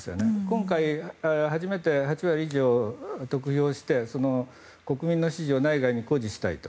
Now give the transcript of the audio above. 今回、初めて８割以上を得票をして、国民の支持を内外に誇示したいと。